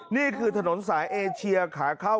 นี่คือถนศาอีเอเชียร์ขาเคลิย์